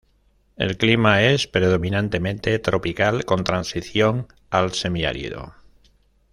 El clima es predominantemente tropical con transición al semiárido.